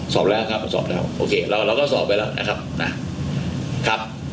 สอบแล้วครับสอบแล้วโอเคแล้วเราก็สอบไปแล้วนะครับ